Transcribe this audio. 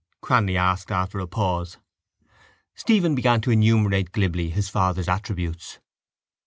Cranly asked after a pause. Stephen began to enumerate glibly his father's attributes.